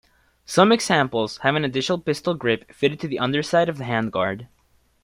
Some examples have an additional pistol grip fitted to the underside of the handguard.